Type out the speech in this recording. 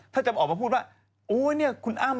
ถ้าจะออกมาพูดว่าโอ้เนี่ยคุณอ้ำ